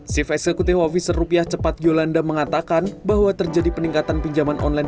sif s kutewovi serupiah cepat yolanda mengatakan bahwa terjadi peningkatan pinjaman online